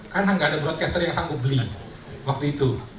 karena nggak ada broadcaster yang sanggup beli waktu itu